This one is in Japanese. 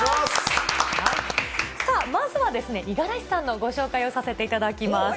さあ、まずは五十嵐さんのご紹介をさせていただきます。